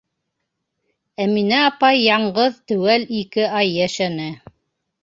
Әминә апай яңғыҙ теүәл ике ай йәшәне.